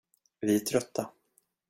Vi är trötta.